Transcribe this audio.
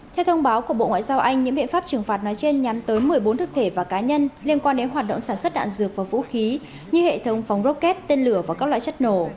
theo thông báo của bộ ngoại giao anh những biện pháp trừng phạt nói trên nhằm tới một mươi bốn thức thể và cá nhân liên quan đến hoạt động sản xuất đạn dược và vũ khí như hệ thống phóng rocket tên lửa và các loại chất nổ